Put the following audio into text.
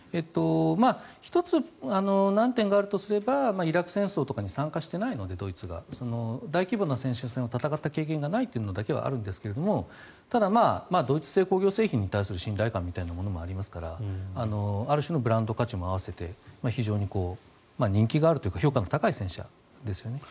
１つ、難点があるとすればイラク戦争とかにドイツが参加していないので大規模な戦車戦を戦った経験がないというのだけはあるんですがただ、ドイツ製工業製品に対する信頼感みたいなものもありますからある種のブランド価値も併せて非常に人気があるというか評価の高い戦車ですよね。